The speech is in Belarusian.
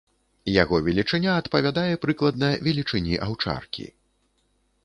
Яго велічыня адпавядае прыкладна велічыні аўчаркі.